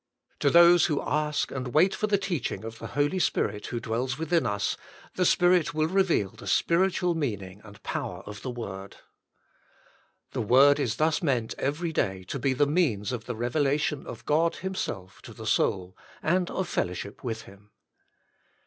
To those who ask and wait for the teaching of the Holy Spirit who dwells within us, the Spirit will reveal the spiritual meaning and power of the word. lOO The Inner Chamber The word is thus meant every day to be the means of the revelation of God Himself to the soul and of fellowship with Him.